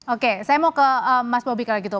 oke saya mau ke mas bobi kalau gitu